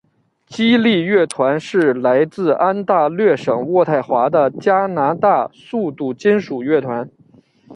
激励乐团是来自安大略省渥太华的加拿大速度金属乐团。